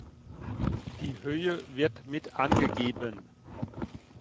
Die Höhe wird mit angegeben.